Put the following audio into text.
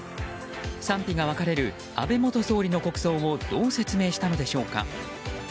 賛否が分かれる安倍元総理の国葬をどう説明したのでしょうか。